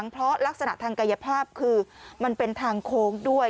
เพราะลักษณะทางกายภาพคือมันเป็นทางโค้งด้วย